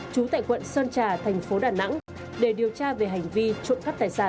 chú tại quận sơn trà thành phố đà nẵng để điều tra về hành vi trộm cắt tài sản